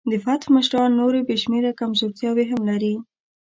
د فتح مشران نورې بې شمېره کمزورتیاوې هم لري.